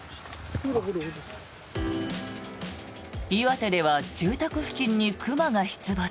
岩手では住宅付近に熊が出没。